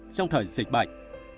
trong thời dịch bệnh